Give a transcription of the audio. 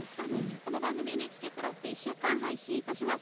この番組はＮＨＫプラスで１週間配信します。